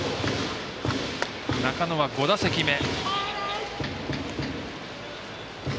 中野は５打席目。